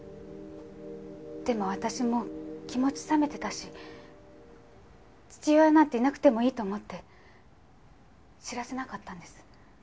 でも私もう気持ち冷めてたし父親なんていなくてもいいと思って知らせなかったんです。